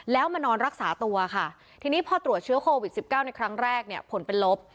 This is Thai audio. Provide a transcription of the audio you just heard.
แล้วมานอนรักษาตัวค่ะทีนี้พอตรวจเชื้อโควิด๑๙ในครั้งแรกเนี่ยผลเป็นลบ